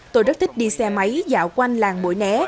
tôi rất thích đi xe máy dạo quanh làng bội né